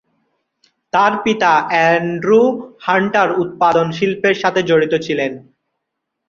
তার পিতা Andrew Hunter উৎপাদন শিল্পের সাথে জড়িত ছিলেন।